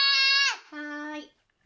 はい。